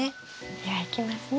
ではいきますね。